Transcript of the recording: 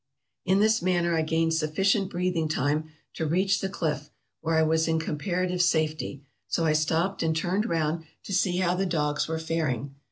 " In this manner I gained sufficient breathing time to reach the cliff, where I was in comparative safety, so I stopped and turned round to see how the dogs were faring.